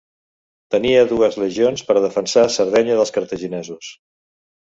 Tenia dues legions per a defensar Sardenya dels cartaginesos.